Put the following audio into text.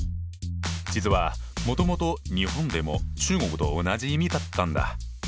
実はもともと日本でも中国と同じ意味だったんだ。